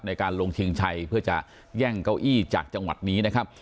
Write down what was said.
ในการลงเชียงชัยเพื่อจะแย่งเก้าอี้จากจังหวัดนี้นะครับ